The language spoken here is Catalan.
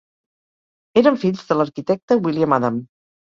Eren fills de l'arquitecte William Adam.